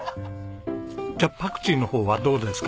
じゃパクチーの方はどうですか？